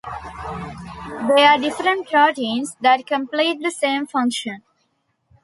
They are different proteins that complete the same function.